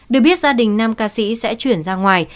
được biết gia đình nam ca sĩ sẽ chuyển ra ngoài